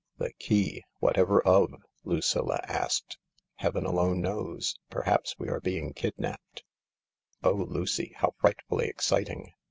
"The key! Whatever of?" Lucilla asked. "Heaven alone knows. Perhaps we are being kid napped. Oh, Lucy, how frightfully exciting."